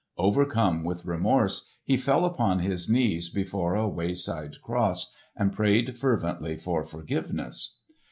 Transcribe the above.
Overcome with remorse he fell upon his knees before a wayside cross and prayed fervently for forgiveness.